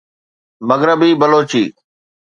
مغربي بلوچي